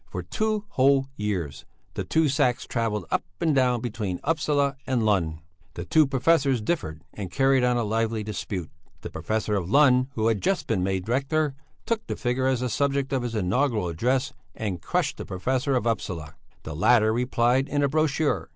For two whole years the two sacks travelled up and down between Upsala and Lund; the two professors differed and carried on a lively dispute. The professor of Lund, who had just been made rector, took the figure as the subject of his inaugural address and crushed the professor of Upsala. The latter replied in a brochure.